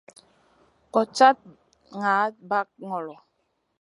Goɗ cad naʼaɗ ɓag ŋolo.